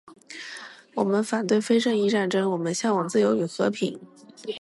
我们反对非正义战争，我们向往自由与和平